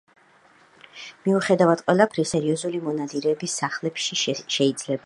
მიუხედავად ყველაფრისა, ამ ჯიშის ნახვა მხოლოდ სერიოზული მონადირეების სახლებში შეიძლება.